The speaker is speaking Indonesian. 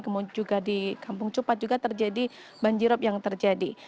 kemudian juga di kampung cupat juga terjadi banjirop yang terjadi